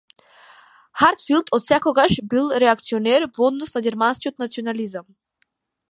Хартфилд отсекогаш бил реакционер во однос на германскиот национализам.